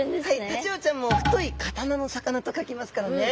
タチウオちゃんも「太い刀の魚」と書きますからね！